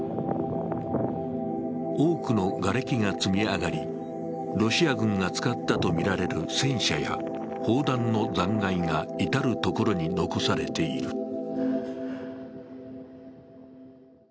多くのがれきが積み上がり、ロシア軍が使ったとみられる戦車や砲弾の残骸が至るところに残されている。